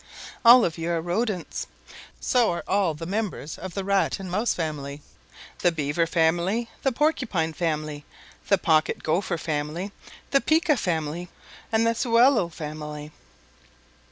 All of you are Rodents. So are all the members of the Rat and Mouse family, the Beaver family, the Porcupine family, the Pocket Gopher family, the Pika family, and the Sewellel family."